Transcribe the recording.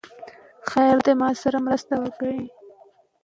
روغتیا وزارت خلک ته خدمتونه ورکوي.